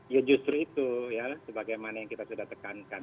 ya justru itu ya sebagaimana yang kita sudah tekankan